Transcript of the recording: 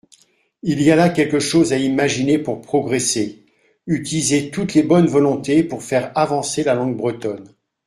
Il y a là quelque chose à imaginer pour progresser : utiliser toutes les bonnes volontés pour faire avancer la langue bretonne.